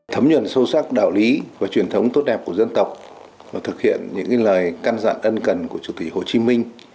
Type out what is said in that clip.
thấm nhuận sâu sắc đạo lý và truyền thống tốt đẹp của dân tộc và thực hiện những lời can dặn ân cần của chủ tịch hồ chí minh